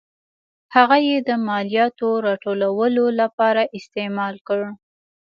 هغه یې د مالیاتو راټولولو لپاره استعمال کړ.